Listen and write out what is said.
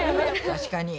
確かに。